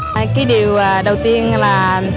cái điều đầu tiên là